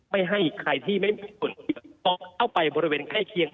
ไม่ให้ใครที่ไม่มีส่วนเกี่ยวต้องเข้าไปบริเวณไข้เคียง